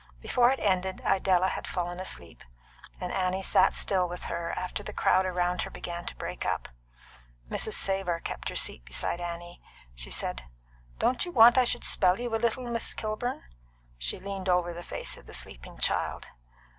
Before it ended, Idella had fallen asleep, and Annie sat still with her after the crowd around her began to break up. Mrs. Savor kept her seat beside Annie. She said, "Don't you want I should spell you a little while, Miss Kilburn?" She leaned over the face of the sleeping child.